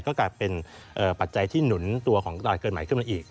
ก็กลายเป็นปัจจัยที่หนุนตัวของตลาดเกินใหม่ขึ้นมาอีก